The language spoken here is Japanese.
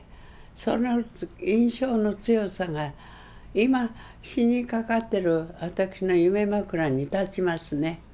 その印象の強さが今死にかかってる私の夢枕に立ちますね。